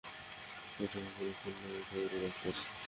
এটা কোনো খুন নয়, এটা একটা বার্তা।